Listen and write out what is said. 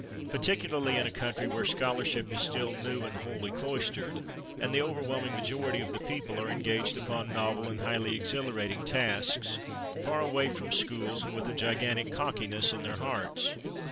Particularly in a country where scholarship is still new and wholly cloistered, and the overwhelming majority of the people are engaged upon novel and highly exhilarating tasks, far away from schools and with a gigantic cockiness in their hearts.